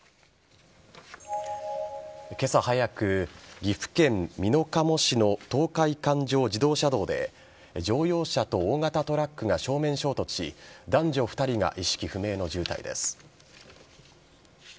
今朝早く、岐阜県美濃加茂市の東海環状自動車道で乗用車と大型トラックが正面衝突し男女２人が意識不明の重体です。